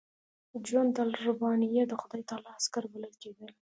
جنودالربانیه د خدای تعالی عسکر بلل کېدل.